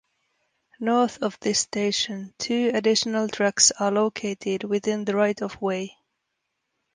North of this station, two additional tracks are located within the right-of-way.